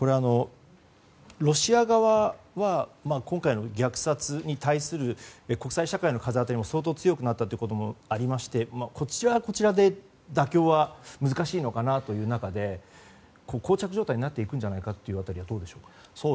ロシア側は今回の虐殺に対する国際社会の風当たりも相当強くなったこともありましてこちらはこちらで妥協は難しいのかなという中で膠着状態になっていくんじゃないかという辺りはどうでしょうか。